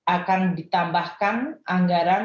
akan ditambahkan anggaran